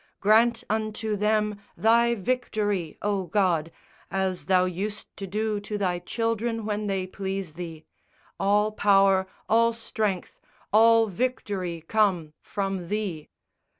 Grant unto them Thy victory, O God, As Thou usedst to do to Thy children when they please Thee! All power, all strength, all victory come from Thee!